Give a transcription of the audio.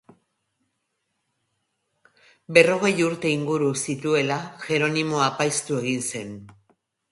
Berrogei urte inguru zituela, Jeronimo apaiztu egin zen.